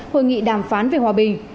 hội nghị đàm phán về hòa bình